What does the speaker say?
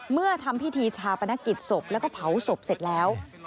เมื่อทำพิธีชาปนกิจศพแล้วก็เผาศพเสร็จแล้ว